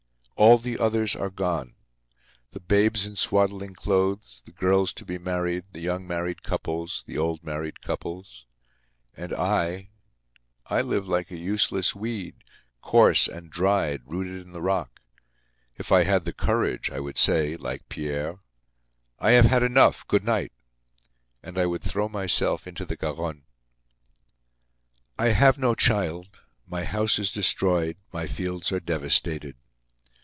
All the others are gone! The babes in swaddling clothes, the girls to be married, the young married couples, the old married couples. And I, I live like a useless weed, coarse and dried, rooted in the rock. If I had the courage, I would say like Pierre: "I have had enough! Good night!" And I would throw myself into the Garonne. I have no child, my house is destroyed, my fields are devastated.